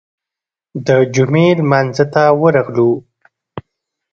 د جمعې لمانځه ته ورغلو.